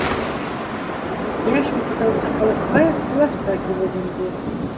Йәш уҡытыусы Ҡылысбаев класҡа килеп инде.